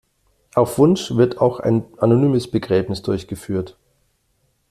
Auf Wunsch wird auch ein anonymes Begräbnis durchgeführt.